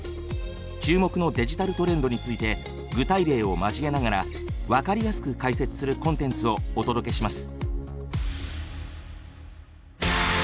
注目のデジタルトレンドについて具体例を交えながら分かりやすく解説するコンテンツをお届けします